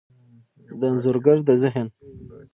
د انځورګر د ذهن،